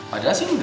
padahal sih enggak